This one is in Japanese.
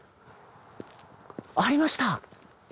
ありました！